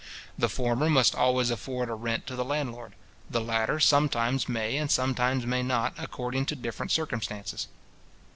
The former must always afford a rent to the landlord. The latter sometimes may and sometimes may not, according to different circumstances.